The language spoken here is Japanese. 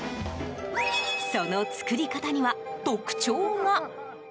その作り方には特徴が。